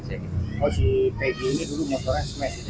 si pegi ini dulu motornya smash